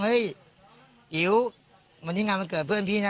อิ๋ววันนี้งานวันเกิดเพื่อนพี่นะ